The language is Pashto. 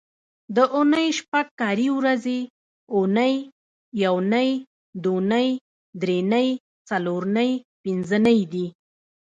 د اونۍ شپږ کاري ورځې اونۍ، یونۍ، دونۍ، درېنۍ، څلورنۍ، پینځنۍ دي